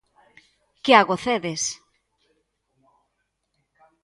Que a gocedes!